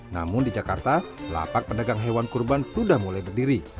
namun di jakarta lapak pedagang hewan kurban sudah mulai berdiri